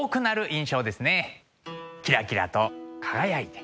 キラキラと輝いて。